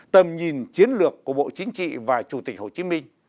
tầm nhìn chiến lược của bộ chính trị và chủ tịch hồ chí minh